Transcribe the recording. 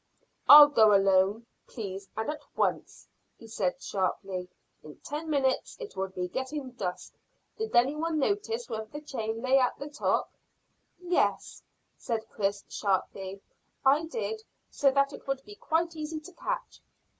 "I'll go alone, please, and at once," he said sharply. "In ten minutes it will be getting dusk. Did any one notice whether the chain lay at the top?" "Yes," cried Chris sharply; "I did. So that it would be quite easy to catch."